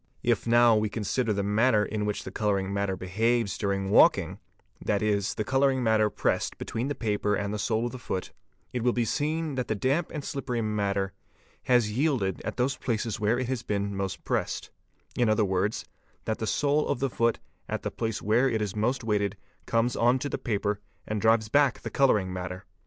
| If now we consider the manner in which the colouring matter be haves during walking, that is, the colouring matter pressed between the paper and the sole of the foot, it will be seen that the damp and slippery — matter, has yielded at those places where it has been most pressed, in| other words, that the sole of the foot at the place where it is mos : ea s) THE IMAGE OF THE FOOT 529 weighted comes on to the paper and drives back the colouring matter.